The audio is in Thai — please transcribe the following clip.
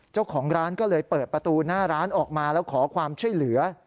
เจ้าของร้านก็เลยเปิดประตูหน้าร้านออกมาแล้วขอความช่วยเหลือ